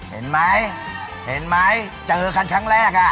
เห็นไหมเห็นไหมเจอกันครั้งแรกอ่ะ